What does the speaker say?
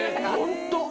ホント！